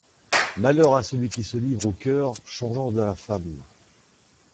Malheur à celui qui se livre au cœur changeant de la femme!